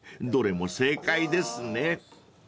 ［どれも正解ですね］